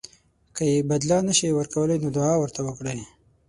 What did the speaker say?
که یې بدله نه شئ ورکولی نو دعا ورته وکړئ.